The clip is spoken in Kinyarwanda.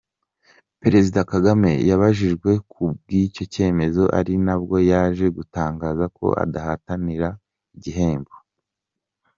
, Perezida Kagame yabajijwe ku bw’icyo cyemezo ari nabwo yaje gutangaza ko adahatanira igihembo.